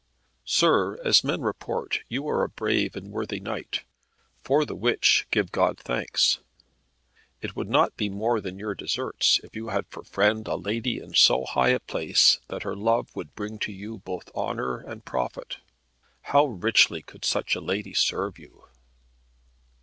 "Sir, as men report, you are a brave and worthy knight, for the which give God thanks. It would not be more than your deserts, if you had for friend a lady in so high a place that her love would bring to you both honour and profit. How richly could such a lady serve you!"